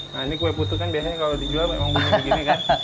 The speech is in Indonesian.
nah ini kue putu kan biasanya kalau dijual memang belum segini kan